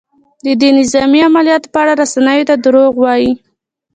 د دې نظامي عملیاتو په اړه رسنیو ته دروغ وايي؟